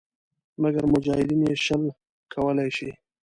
مګر مجاهدین یې شل کولای شي.